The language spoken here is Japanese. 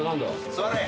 座れ！